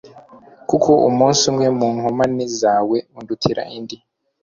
kuko umunsi umwe mu nkomane zawe undutira indi